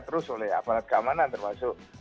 terus oleh aparat keamanan termasuk